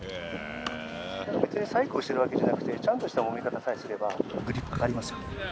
別に細工をしてるわけじゃなくて、ちゃんとしたもみ方さえすれば、グリップかかりますよ。